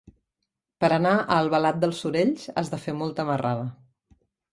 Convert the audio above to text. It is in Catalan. Per anar a Albalat dels Sorells has de fer molta marrada.